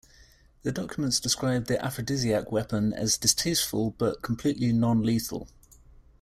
The documents described the aphrodisiac weapon as "distasteful but completely non-lethal".